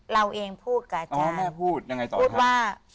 เราเองพูดกับอาจารย์อ๋อแม่พูดยังไงต่อครับพูดว่า